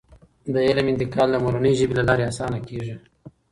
د علم انتقال د مورنۍ ژبې له لارې اسانه کیږي.